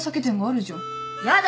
やだ。